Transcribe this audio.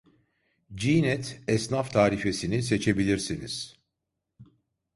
G net esnaf tarifesini seçebilirsiniz